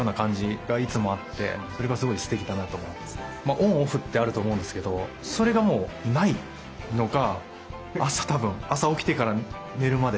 オンオフってあると思うんですけどそれがもうないのか。